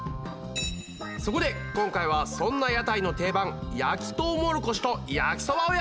そこで今回はそんな屋台の定番焼きトウモロコシと焼きそばをやります！